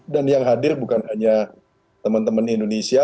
yang hadir bukan hanya teman teman indonesia